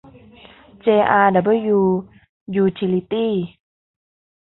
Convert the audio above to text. เจ อาร์ ดับเบิ้ลยู ยูทิลิตี้